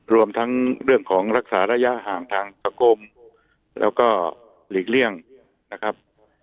รวมทั้งเรื่องของรักษาระยะห่างทางสังคมแล้วก็หลีกเลี่ยงนะครับ